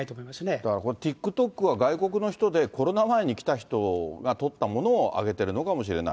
だからこれ、ＴｉｋＴｏｋは、外国の人でコロナ前に来た人が撮ったものを上げてるのかもしれない。